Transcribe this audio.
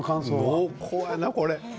濃厚やな、これ。